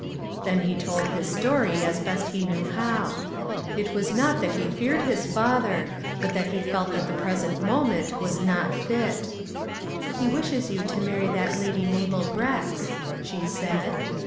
Then he told his story, as best he knew how. It was not that he feared his father, but that he felt that the present moment was not fit. "He wishes you to marry that Lady Mabel Grex," she said.